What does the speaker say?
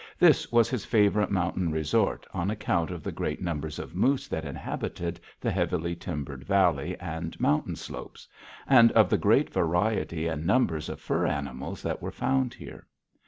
This was his favorite mountain resort on account of the great numbers of moose that inhabited the heavily timbered valley and mountain slopes, and of the great variety and numbers of fur animals that were found here.